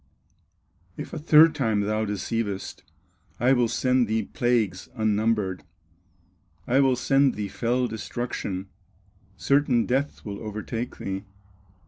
If a third time thou deceivest, I will send thee plagues, unnumbered, I will send thee fell destruction, Certain death will overtake thee."